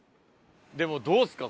でもどうですか？